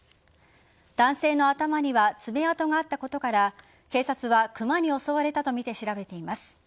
男性の頭には爪痕があったことから警察はクマに襲われたとみて調べています。